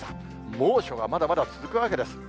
猛暑がまだまだ続くわけです。